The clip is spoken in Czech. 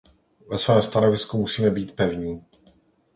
Ve svém stanovisku musíme být pevní.